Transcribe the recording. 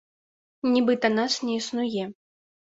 Нібыта нас не існуе.